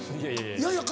いやいや。